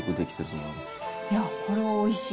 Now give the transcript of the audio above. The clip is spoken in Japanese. これはおいしい。